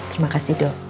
terima kasih dok